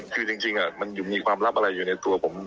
คือจริงมันมีความลับอะไรอยู่ในตัวผม